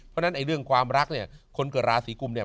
เพราะฉะนั้นไอ้เรื่องความรักเนี่ยคนเกิดราศีกุมเนี่ย